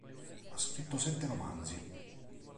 Ha scritto sette romanzi.